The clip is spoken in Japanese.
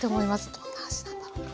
どんな味なんだろうか。